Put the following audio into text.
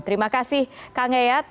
terima kasih kang yayat